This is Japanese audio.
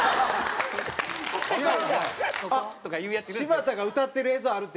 柴田が歌ってる映像あるって。